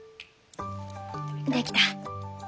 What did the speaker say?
できた。